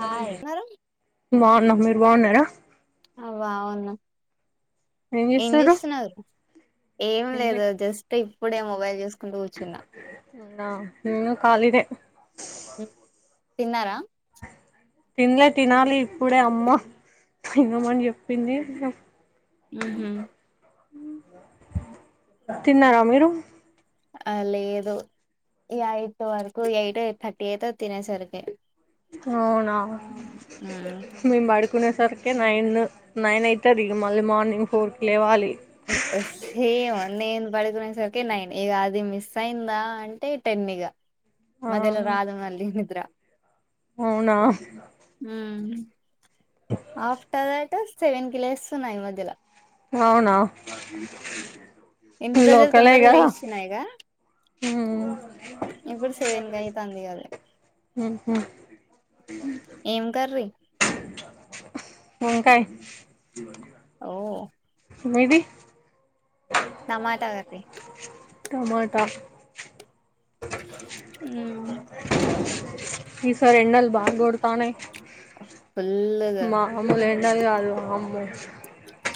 Hi ఉన్నారు మాన్నం బాగున్నారా అవ అవును ఏం చేస్తున్నారు ఏం తిన్లే లేదు జస్ట్ ఇప్పుడే మొబైల్ చూస్ కుంటు కూచున్న మ్మ్ ఇంగ నేను కాలినే మ్మ్ తిన్నారా తినలే తినాలి ఇప్పుడే అమ్మ తినమని చెప్పింది హ్మ్ హు మ్మ్ తిన్నారా మీరు ఆ లేదు ఇగ ఎయిట్ వరకు ఎయిటు థర్టీ అయితది తినే సరికి అవును ఉమ్, మేమ్ పడ్ కునేసరికే నైను నైను అయితది ఇగ మళ్ళీ మార్నింగ్ ఫోర్కి లేవాలి సేమ్ ఆ నేను పడుకునే సరికి నైన్ ఇక అది మిస్ అయిందా అంటే టెన్ ఇగ ఆ మధ్యల రాద్ మళ్ళీ నిద్ర అవునా మ్మ్ ఆఫ్టర్ దట్స్ సెవెన్ కి లేస్తున్న ఈ మధ్యల అవునా ఇన్ని రోజులు లోకల్ ఏ తొందరగా కదా లేచినా ఇక మ్మ్ ఇప్పుడు సెవెన్ గయితాంది ఇగ అది ఉహు మ్మ్ ఎం కర్రీ వంకాయ ఓ మీది టమాటా కర్రీ టమాటా మ్మ్ ఈసారి ఎండలు బాగ్కొడత ఉన్నాయ్ ఫుల్లుగా గాది కాదు వామ్మో కి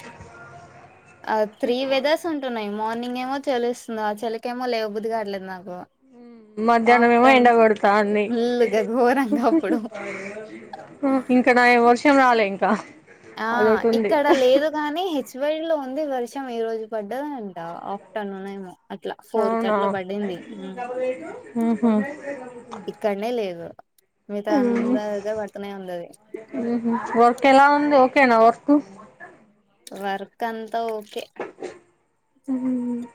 ఆ త్రీ వెదర్స్ ఉంటున్నాయి. మార్నింగ్ ఏమో చలిస్తుంది. ఆ చలికైమో లేవబుద్ధి కావట్లేదు నాకు మధ్యాహ్నం ఏమో ఆఫ్టర్న్ ఎండకొడ్తంది ఫుల్లుగా ఘోరంగా అప్పుడు ఇంకా నయం వర్షం కాలం రాలే ఇంకా ఆ అదొటి ఉంది ఇక్కడ లేదు. గాని హెచ్ వై డి లో ఉంది. వర్షం వర్షం ఈరోజు పడ్డదంట ఆఫ్టర్నూన్ ఏమో అట్లా ఫోర్ అవునా కట్ల పడింది. ఉహు ఇక్కడనే లేదు మిగతా ఉహు అందరి దగ్గరా పడుతనే ఉంది. అది ఇప్పుడు ఏలా ఉంది. ఓకేనా వర్క్ వర్క్ అంతా ఓకే హ్మ్ ఉ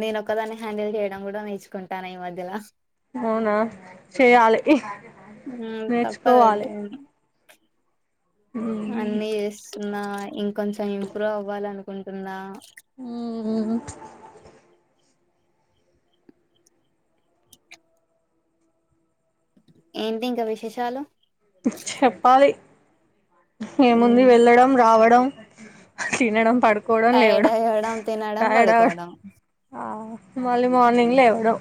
నేను ఒకదాన్ని హ్యాండిల్ చేయడం కూడా నేర్చుకుంటాను. ఈ మధ్యలో అవునా చేయాలి మ్మ్ నేర్చుకోవాలి. తప్పదది అన్ని చేస్ న్నా ఇంకొంచెం ఇంప్రూవ్ అవ్వాలనుకుంటున్నా. హ్మ్ ఉహు ఏంటి ఇంకా విశేషాలు చెప్పాలి. ఏముంది ఉమ్ వెళ్ళడం. రావడం. తినడం పడు టైడ్ అవ్వడం తినడం అవడం పడుకోవడం ఆ మళ్ళీ మార్నింగ్ లేవడం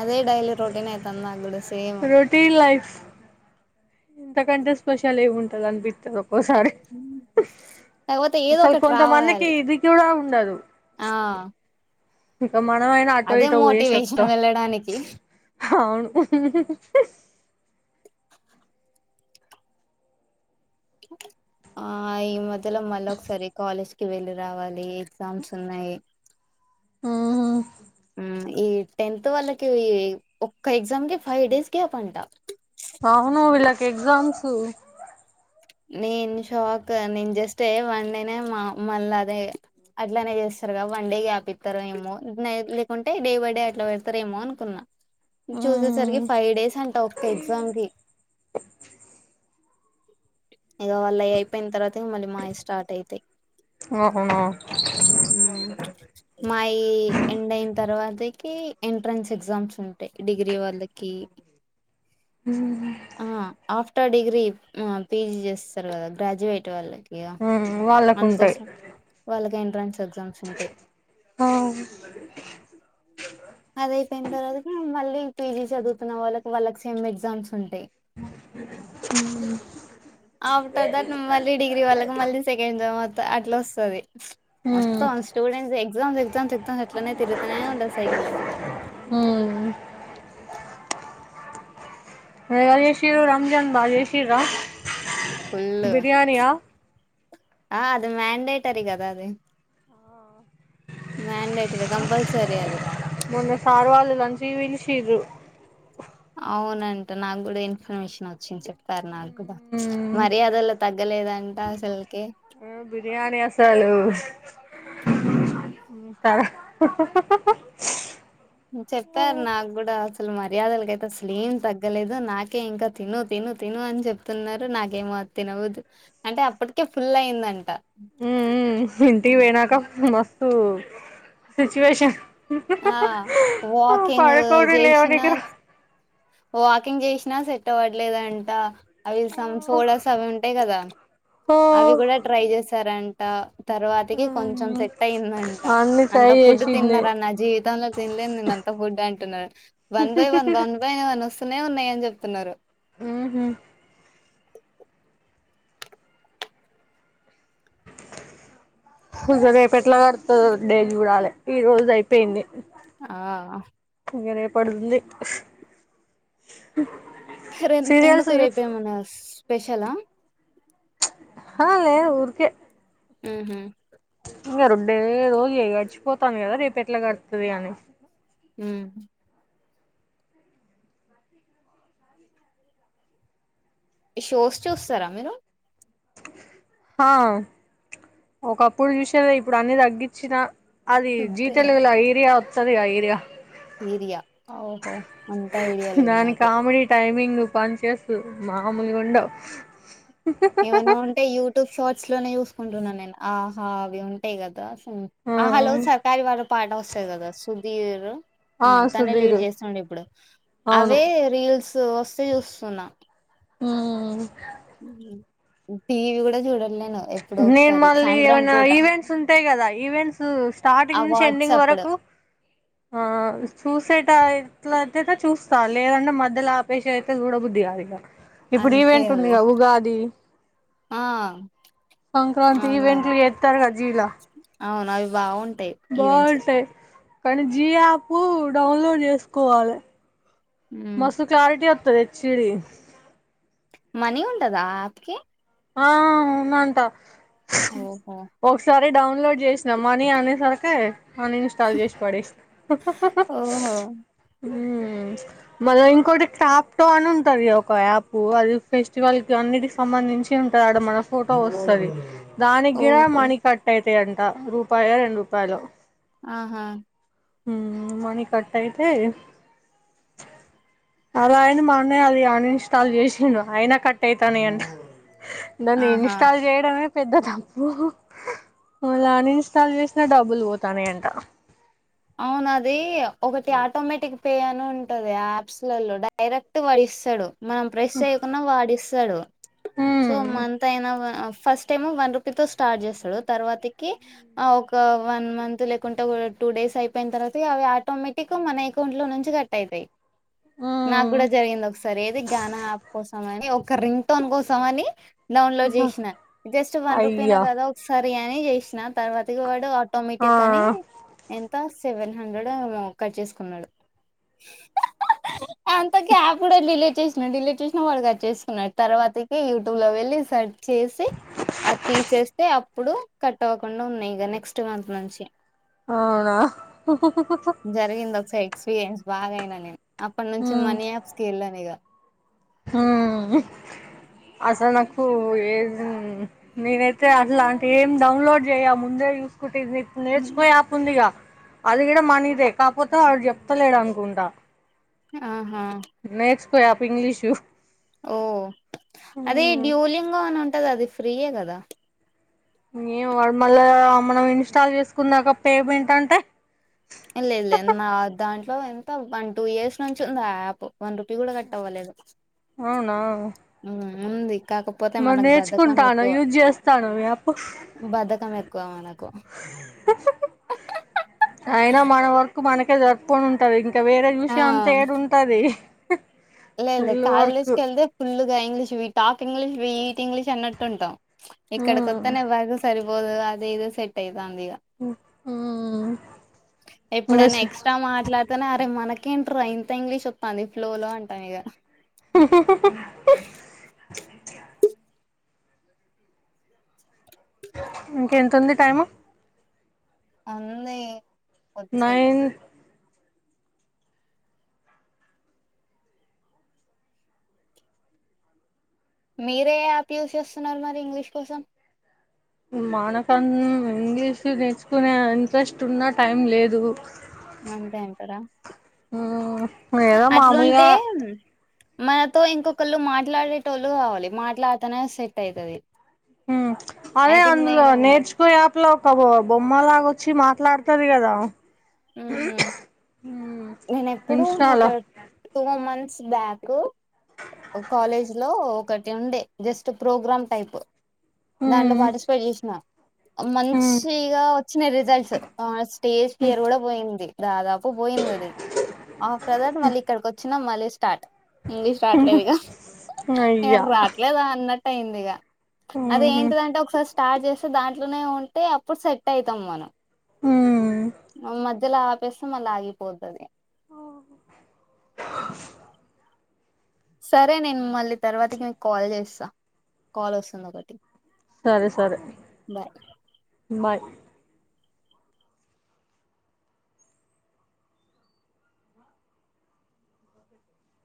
అదే డైలీ రోటీన్ అయితంది. నాక్ కూడా సేమ్ రొటీన్ లైఫ్ ఇంతకంటే స్పెషల్ ఎం ఉంటది. అనిపితది. అప్ ఓక్కోసారి కాకపోతే ఏదో అసలు ఒకటి కొంతమందికి రావాలి ఇది కూడా ఉండదు. ఆ ఇంకా మనమైనా ఆటో అదే ఇటో పోయేషి మోటివేషన్ వత్తం. వెళ్ళడానికి హా హా ఆ ఈ మద్యల మళ్ళీ ఒకసారి కాలేజ్కి వెళ్ళి రావాలి ఎగ్జామ్స్ ఉన్నాయి. ఈ టెన్త్ వాళ్ళకి ఈ ఒక్క ఎగ్జామ్ కి ఫైవ్ డేస్ గ్యాప్ అంటా. అవును వీళ్ళకి ఎగ్జామ్స్ నేను షాక్ నేను జస్ట్ వన్ డేనే మళ్ళీ అదే అట్లానే చేస్తారు. కదా వన్ డే గ్గ్యాపిత్తారు ఏమో లేకుంటే డే బై డే అట్లా పెడతరు ఏమో అనుకున్నా. చూసేసరికి ఫైవ్ డేస్ అంటా. ఒక ఎగ్జామ్ కి ఇగా వాళ్ళ అవి అయిపోయినాయ్, తర్వాత మళ్ళీ మాయి స్టార్ట్ అయితాయి. అవునా హ్మ్ మాయి ఎండ్ తర్వాతకి ఎంట్రన్స్ ఎగ్జామ్స్ ఉంటాయి డిగ్రీ వాళ్ళకి ఆఫ్టర్ డిగ్రీ చేస్తరు కదా గ్రాడ్యుయేట్ వాళ్ళకి ఆ అందుకోసం వాళ్ళక ఏ ఆ అది అయిపోయిన తర్వాతగా మళ్ళీ పీజీ చదువుతున్న వాళ్ళకి వాళ్ళకి సేమ్ ఎగ్జామ్స్ ఉంటంది ఆఫ్టర్ దట్ మళ్ళీ డిగ్రీ వాల్ళకు మళ్ళీ సెకండ్ జా అట్లా వస్తుంది మత్తంద స్టూడెంట్స్ ఎక్సాస్ ం చెద్దాం ఎట్లనే తిరుతానే ఉండదు సైకిల్ హ మ అజయ శీ రంజన్ బాజయశీ రా ఫుల్ు ఆ అది మ్యాండేటర కదా అది మండేటర్ కంపల్సర అది మొన్న సారు వాళ్ళులాంచి విలుించు అవునంట నాకు కూడా ఇన్ఫర్మేషన్ వచ్చింది చెప్తారు నాకు కూడా మర్యాదల తగ్గలేదంట అసలకి బిర్యానీ అసలు తర చెప్పారు నాకు కూడా అసలు మరి మర్యాదలకైతే స్లీమ్ తగ్గలేదు నాకే ఇంకా తిను తిను తిను అని చెప్తున్నారు నాకేమో తినవదు అంటే అప్పటికే ఫుల్ అయిందంట ఓ సిచువేషన్ ఆ వాకింగ్ పడుకోడు చేసిన లేవనికి రా వాకింగ్ చేసినా సెట్ అవ్వట్లేదంట అవిమ్ సోడాస్ అవి ఉంటాయి కదా ఆ అవి కూడా ట్రై చేసారంట ద తర్వాతకి కొంచెం సెట్ అయిందంట అన్ని అంత ట్రై ఫుడ్ చేసింది తిన్నారా నా జీవితంలో తినలేను నేను అంత ఫుడ్ అంటున్నా వన్ బై వన్ బా అస్తనే ఉన్నాయని చెప్తున్నారు ఉహ్ హ్ మరి రేపేట్లా గడుతాదో డైలీ చూడాలే ఈ రోజు అయిపోయింది ఆహాహా ఇంగ రేపడిదుంది అరె ఎందుకు రేపు ఏమన్నా సు స్పెషలా అ లేే ఊరికే ఉహుమ్ ఇంక రెండే రోజు గడిచిపోతాంది కదా రేపు ఎట్లా గడుతది అని ఉమ్ ఈ షోస్ చూస్తారా మీరు హ్ ఒకప్పుడు చూసేది ఇప్పుడు అన్ని తగ్గించిన అది జీ తెలుగుల ఈరియా వస్తాదిగా ఈరియా ఈరియా ఓహో అంత ఐడియా లేదు నాకు దాని పంచెస్ మామూలుగా ఉండవు ఏమైనా ఉంటే యూట్యూబ్ షార్ట్స్ లోనే చూస్తా ఉంటున్నాను నేను ఆహా అవి ఉంటవి గదా ఆహలో ఆ సర్కారి వారి పాట వస్తాది కదా సుధీర్ ఆ తనే లీడ్ సుధీరు చేస్తుడు ఇప్పుడు అవును అవే రీల్స్ వస్తే చూస్తున్నా ఉమ్ టీవీ కూడా చూడట్లేను నేను మళ్ళీ ఏమైనా ఈవెంట్స్ ఉంటాయి కదా ఈవెంట్స్ ఆ స్టార్టింగ్ నుంచి ఎండింగ్ వాట్సాప్ డు వరకు ఆ చూసేట ఇట్ల అయితేయితే చూస్తా లేదంటే మధ్యలో ఆపేసి అయితే చూడబుద్దిగాదు ఇక ఇప్పుడు అంతే అవి ఈవేంటుందిగా ఉగాది ఆ సంక్రాంతి అవునవును ఈవెంట్లు చేతరు కద జీ లా అవును అవి బాగుంటా యి ఈవెంట్స్ కానీ జి యాప్ డౌన్లోడ్ చేసుకోవాలే మ్మ్. మాస్తు క్లారిటీ వత యి హెచ్డీ మనీ ఉంటదా ఆ యాప్కి ఆ ఉంధా అంటా ఓహో ఒకసారి డౌన్లోడ్ చేసిన మనీ అనేసరికే ఆన్ ఇన్స్టాల్ చేసి పడెసిన ఉహ్ ఓహో ఉమ్ మల్ల ఇంకోటి టాప్టో అని ఉంటది ఒక యాప్ అది ఫెస్టివల్ అన్నిటికి సంబంధించి వచ్చ ఉంటాడు మన ఫోటో వస్తధీ దానికి గిడ ఓహో మనీ కట్ అయితయంట ట రూపాయో రెండు రూపాయలొ ఆహ. ఉమ్ మనీ కట్ అయితే అలా అని మా అన్నయ్య అది అన్ అన్ఇన్స్టాల్ చేసిండు. అయినా కట్ అయితనై ఆట. దాన్ని ఆహా ఇన్స్టాల్ చేయడమే. పెద్ద తప్పు. మల్ల అన్ ఇన్స్టాల్ చేసిన డబ్బులు పోతనై అంట. అవును అది ఒకటి ఆటోమేటిక్ పే అని ఉంటది. ఆ ఆప్స్ లలో డైరెక్ట్ వాడు ఇస్తాడు. మనం ప్రెస్ చెయ్యకునా వాడిస్తాడు. సో ఉమ్ మంత్ అయినా వ ఫస్ట్ ఏమో వన్ రూపీ తో స్టార్ట్ చేస్తాడు తర్వతికి ఒక వన్ మంత్ లేకుంట కూడా టు డేస్ అయిపోయిన తర్వాత అవి ఆటోమేటిక్ మనీ ఎకౌంట్లో నుంచి కట్ అయితే. నాకు కూడా ఉమ్ జరిగింది ఒకసారి. ఏది గానా యాప్ కోసం. ఒక రింగ్ టోన్ కోస్ తోనీ డౌన్లోడ్ చేసిన జస్ట్ వన్ రూపీ నే అయ్యా కదా ఒకసారి. బిర్యానీ చేసిన. తర్వాత ఇగ వాడు ఆ ఆటోమేటిక్ అని ఎంత స్ సెవెన్ హండ్రెడ్ ఓ ఏమో కట్ చేసుకున్నాడు. కి యూట్యూబ్ లో వెళ్లి సెర్ చేసి ఆద్ తీసేస్తే అప్ అప్పుడు కట్ అవ్వకుండా ఉన్నాయ్ ఇగ నెక్స్ట్ మంత్ నుంచి. అవునా. బాగయినా నేను. అప్పటి నుంచి మాని ఆప్స్ కి ఎల్లనిగా. హూ అసలు నాకు ఏ నేనైతే అట్లాంటి ఏం డౌన్లోడ్ చేయ ముందే చూస్ కు నేర్చుకో యాప్ ఉంది గా అది కూడా మనీదే కాకపోతే వాడు చెప్తలేడు అనుకుంటా. ఆ. నేర్చు యాప్ ఇంగ్లీష్ ఓ అదే డ్యూలింగో అనన్ ఉంటది అది ఫ్రీయే కదా ఏం వాడు మళ్ళ మనం ఇన్స్టా చేసుకున్నాక పేమెంట్ ఏ అంటే? ల్లేదు లేదు నా దాంట్లో ఎంత వన్ టూ ఇయర్స్ నుంచి ఉంది ఆ యాప్ వన్ రూపీ కూడా కట్ అవ్వలేదు. అవునా. ఉమ్ ఉంది. కాకపోతే మరి మనకు నేర్చుకుంట బధకం అన్నావు ఎక్కువ యూజ్ చేస్తానవ యాప్ బధకం ఎక్కువ మనకు అయినా మన వర్కు మనకే సరిపో పోనీ ఉంటది. ఇంకా వేరే చూసే అంతా ఏడు ఉంటది. లే లేద కాలేజ్ కి వెళ్తే full. English we talk English we English అన్నట్టు ఉంటాం ఉమ్ ఇక్కడకొస్తానే ఎవ సరి అదే సెట్యింది ఎప్పుడ ఇంకా ఎట్ అనే అరే మనకేంట్ర ఇంత ఇంగ్లీష్ వస్తుాంది ఫ్లో అంటే సనిగా ఇంకెతుంది టైము అంది కొద్దిసేపు నైన్ మీరే యాప్ యూజ్ చేస్తున్నారు మరి ఇంగ్లీష్ కోసం మానకన్న ఇంగ్లీషు నేర్చుకునే ఇంట్రెస్ట్ ఉన్నా టైం లేదు అంతే అంటారా ఏదా మామలుగా అట్లుంటే మనతో ఇంకొకళ్ళు మాట్లాడేటోళ్ళు కావాలి మాట్లాడుతనే సెట్ అవుతుది అదే అందులో నేర్చుకో ఆప్లో బొమ్మ లాగొచ్చి మాట్లాడుతారు కదా హ నేన ఎప్పుడు ఒక ఇన్స్టాలో two months back college లో ఒకటి ఉండే జస్ట్ ప్రోగ్రామ్ టైప్ దాంట్లో ఉమ్ పార్టిసిపేట్ చేసిన ఉమ్ మంచిగా వచ్చినయి రిజల్ట్స్ ఆ స్టేజ్ ఫియర్ కూడా దాదాపు పోయింది అది ఆక్కడ దటి మళ్ళీ ఇక్కడికి వచ్చినా మళ్ళీ స్టార్ట్ ఇంగ్లీష్ రాట్లేదుక ఎ అయ్యా రాట్లేదా అన్నట్టు యిందిగా అదే ఉహు ఏంతద అంటే ఒకసస్ స్టార్ట్ చేస్తే దాంట్లోనే ఉంటే అప్పుడు సెట్ అవుతాం మనం ఉ మ మధ్యల పెసమల్ ఆగిపోతది ఓ సరే నేను మళ్ళీ తర్వాతికి మీకు కాల్ చేస్తా కాల్ వస్తుంది ఒకటి సరే సరే బాయ్ బాయ్